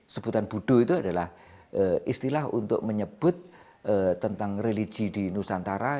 sebutan budo itu adalah istilah untuk menyebut tentang religi di nusantara